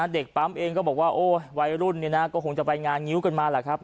เด็กปั๊มเองก็บอกว่าวัยรุ่นนี่นะก็คงจะไปงานงิ้วกันมาล่ะครับ